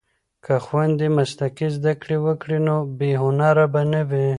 که خویندې مسلکي زده کړې وکړي نو بې هنره به نه وي.